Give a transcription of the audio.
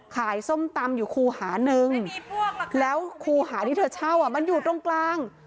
ส้มตำอยู่คูหานึงแล้วคูหาที่เธอเช่าอ่ะมันอยู่ตรงกลาง